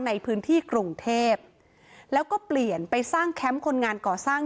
ในพื้นที่กรุงเทพแล้วก็เปลี่ยนไปสร้างแคมป์คนงานก่อสร้าง